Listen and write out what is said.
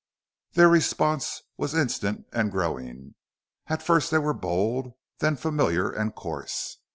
Their response was instant and growing. At first they were bold, then familiar and coarse.